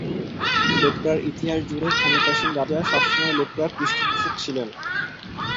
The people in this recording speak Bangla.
লেপ্রার ইতিহাস জুড়ে, ক্ষমতাসীন রাজা সবসময় লেপ্রার পৃষ্ঠপোষক ছিলেন।